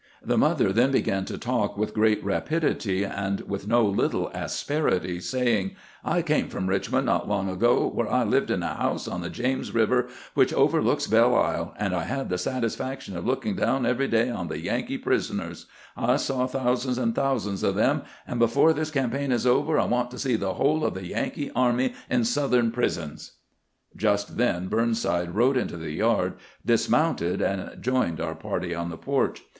The mother then began to talk with great rapidity A NOONDAY HALT AT MRS. TYLEK'S 139 and with no little asperity, saying :" I came from Eich mond not long ago, where I lived in a house on the James River which overlooks BeUe Isle ; and I had the satisfaction of looking down every day on the Yankee prisoners. I saw thousands and thousands of them, and before this campaign is over I want to see the whole of the Yankee army in Southern prisons." Just then Burnside rode into the yard, dismounted, and joined our party on the porch.